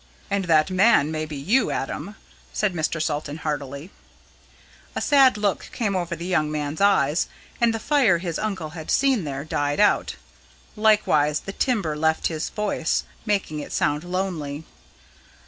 "And that man may be you, Adam," said Mr. Salton heartily. A sad look came over the young man's eyes, and the fire his uncle had seen there died out. Likewise the timbre left his voice, making it sound lonely.